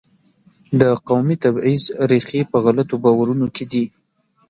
د قومي تبعیض ریښې په غلطو باورونو کې دي.